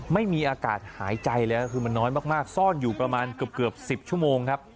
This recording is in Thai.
ไม่มีอากาศหายใจเลยก็คือมันน้อยมากซ่อนอยู่ประมาณเกือบ๑๐ชั่วโมงครับ